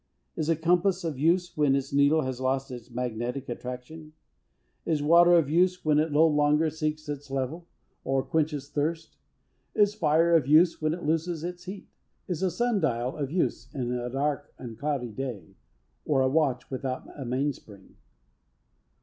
Is a compass of use when its needle has lost its magnetic attraction? Is water of use when it no longer seeks its level, or quenches thirst? Is fire of use when it loses its heat? Is a sun dial of use in a dark and cloudy day; or, a watch without a mainspring?